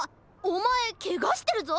おまえケガしてるぞ！